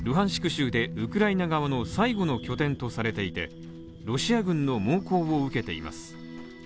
州で、ウクライナ側の最後の拠点とされていて、ロシア軍の猛攻を受けています。